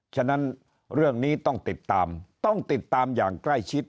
ฉะนั้นเรื่องนี้ต้องติดตามต้องติดตามอย่างใกล้ชิด